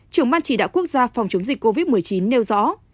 trưởng ban chỉ đạo quốc gia phòng chống dịch covid một mươi chín nêu rõ